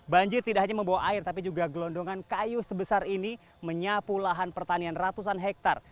banjir tidak hanya membawa air tapi juga gelondongan kayu sebesar ini menyapu lahan pertanian ratusan hektare